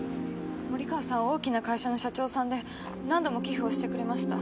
森川さんは大きな会社の社長さんで何度も寄付をしてくれました。